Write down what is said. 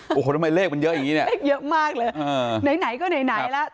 โอ้โหทำไมเลขมันเยอะอย่างนี้เนี่ยเลขเยอะมากเลยไหนไหนก็ไหนแล้ว